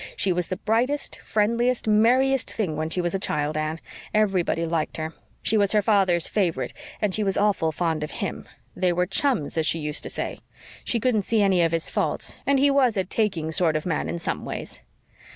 She was the brightest, friendliest, merriest thing when she was a child, Anne. Everybody liked her. She was her father's favorite and she was awful fond of him. They were 'chums,' as she used to say. She couldn't see any of his faults and he WAS a taking sort of man in some ways.